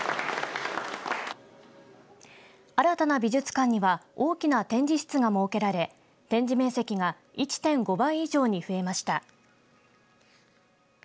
新たな美術館には大きな展示室が設けられ展示面積が１．５倍以上に増えました。